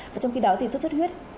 và trong khi đó thì suốt suốt huyết